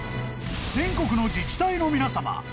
［全国の自治体の皆さま］